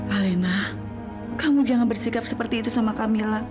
alena kamu jangan bersikap seperti itu sama kamila